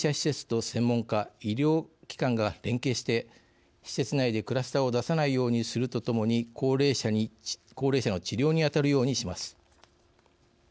特に、高齢者施設と専門家、医療機関が連携して施設内でクラスターを出さないようにするとともに高齢者の治療に当たるようにします。